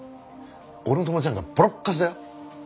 俺の友達なんかボロッカスだよ。